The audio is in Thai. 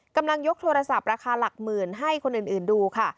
กำลังยกโทรศัพท์ราคาหลักหมื่นให้คนอื่นดูค่ะ